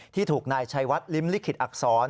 ที่ถูกนายชัยวัดลิ้มลิขิตอักษร